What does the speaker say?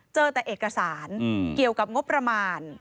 เจอแต่เอกสารเกี่ยวกับงบประมาณ